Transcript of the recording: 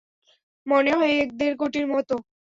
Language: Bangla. মনে হয় এক-দেড়কোটির মতো!